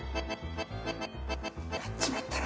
やっちまったな。